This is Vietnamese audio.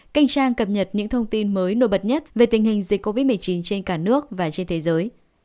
kênh trang cập nhật những thông tin mới nổi bật nhất về tình hình dịch covid một mươi chín trên cả nước và trên thế giới